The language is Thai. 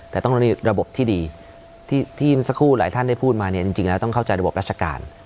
แต่ต้องมีระบบที่ดีที่สักครู่หลายท่านได้พูดมาเนี่ยจริงแล้วต้องเข้าใจระบบราชการ